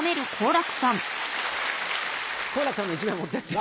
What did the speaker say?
好楽さんの１枚持ってって。